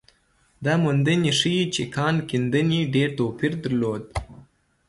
دا موندنې ښيي چې کان کیندنې ډېر توپیر درلود.